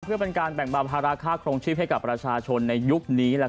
เพื่อเป็นการแบ่งเบาภาระค่าครองชีพให้กับประชาชนในยุคนี้